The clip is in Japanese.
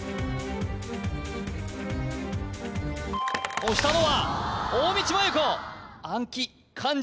押したのは大道麻優子暗記漢字